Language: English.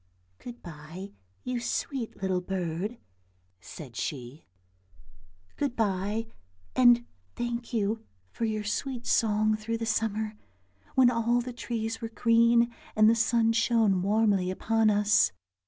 " Good bye, you sweet little bird," said she, " good bye, and 74 ANDERSEN'S FAIRY TALES thank you for your sweet song through the summer, when all the trees were green and the sun shone warmly upon us."